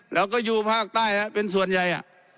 แล้วก็อยู่ภาคใต้เป็นส่วนใหญ่